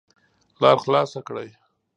لار خلاصه کړئ